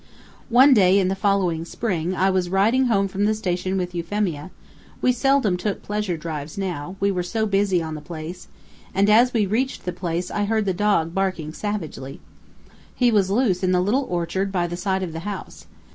One day, in the following spring, I was riding home from the station with Euphemia, we seldom took pleasure drives now, we were so busy on the place, and as we reached the house I heard the dog barking savagely. He was loose in the little orchard by the side of the house.